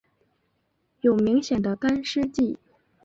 有明显的干湿季。